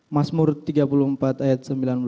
masmur tiga puluh empat ayat sembilan belas